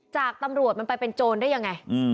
จากตำรวจมันไปเป็นโจรได้ยังไง